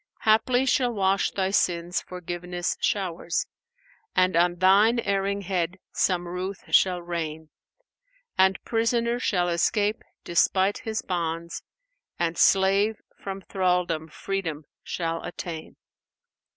Haply shall wash thy sins Forgiveness showers; * And on thine erring head some ruth shall rain: And prisoner shall escape despite his bonds; * And slave from thraldom freedom shall attain."